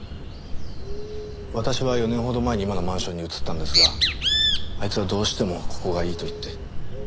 私は４年ほど前に今のマンションに移ったんですがあいつはどうしてもここがいいと言って。